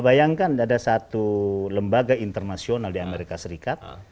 bayangkan ada satu lembaga internasional di amerika serikat